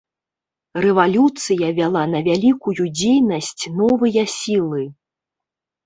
Рэвалюцыя вяла на вялікую дзейнасць новыя сілы.